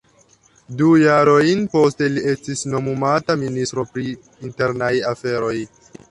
Du jarojn poste li estis nomumata Ministro pri Internaj Aferoj.